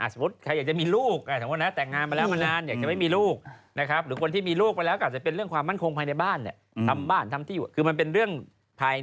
สมมุติใครอยากจะมีลูก